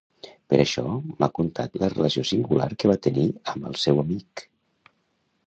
Per això m'ha contat la relació singular que va tenir amb el seu amic...